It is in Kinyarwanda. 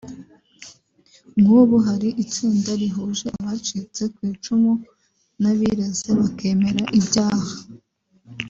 nk’ubu hari itsinda rihuje abacitse ku icumu n’abireze bakemera ibyaha